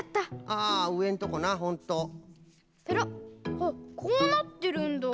あっこうなってるんだ。